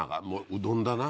うどんだな。